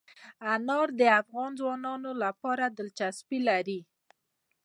انار د افغان ځوانانو لپاره دلچسپي لري.